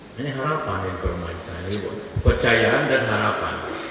ini harapan yang dipermainkan ini percayaan dan harapan